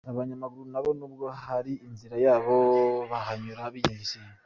Abanyamaguru na bo nubwo hari inzira yabo bahanyura bigengesereye.